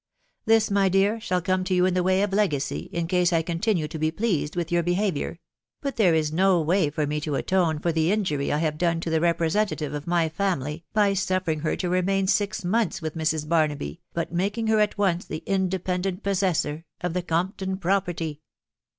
This, my dear, shall come to you in the way of legacy, in case I continue to be pleased with your behaviour ; but there is no way for me to atone for the injury 1 have done to the representative of my family by suffering her to raemain six months with Mrs. Barnaby, but making her at once the inde pendent possessor of theCompton property."